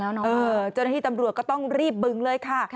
เจ้าหน้าที่ตำรวจก็ต้องรีบบึงเลยค่ะ